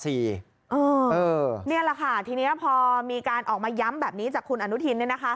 นี่แหละค่ะทีนี้พอมีการออกมาย้ำแบบนี้จากคุณอนุทิน